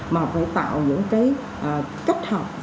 mà phải tạo những cách học